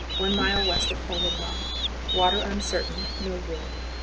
One mile west of hole in rock. Water uncertain; no wood.